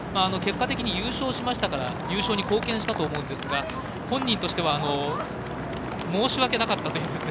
結果的に優勝しましたから優勝に貢献したと思うんですが本人としては申し訳なかったと。